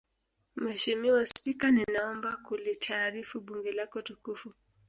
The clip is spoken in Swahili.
Mheshimiwa Spika ninaomba kulitaarifu Bunge lako tukufu